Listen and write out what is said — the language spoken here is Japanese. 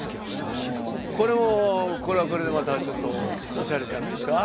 これはこれでまたちょっとおしゃれじゃないですか？